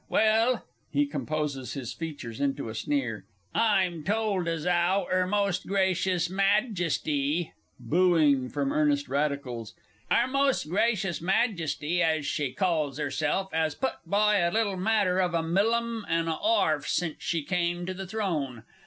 Well (he composes his features into a sneer) I'm told as 'ow 'Er Most Gracious Madjesty ("Booing" from Earnest Radicals) 'Er Most Gracious Madjesty 'as she calls 'erself 'as put by a little matter of a millum an' a 'arf since she came to the Throne.